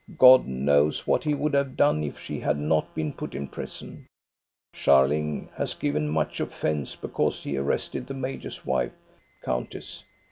God knows what he would have done if she had not been put in prison. Scharling has given much offence because he arrested the major's wife, countess.